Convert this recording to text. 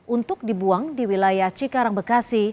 untuk dibuang di wilayah cikarang bekasi